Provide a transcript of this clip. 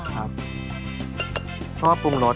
เพราะว่าปรุงรส